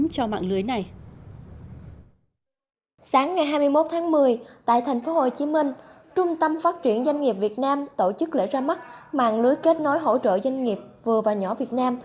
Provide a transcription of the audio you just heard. sáng ngày hai mươi một tháng một mươi tại tp hcm trung tâm phát triển doanh nghiệp việt nam tổ chức lễ ra mắt mạng lưới kết nối hỗ trợ doanh nghiệp vừa và nhỏ việt nam